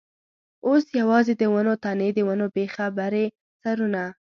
اوس یوازې د ونو تنې، د ونو بېخه برې سرونه.